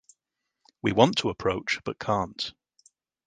We want to approach but can’t.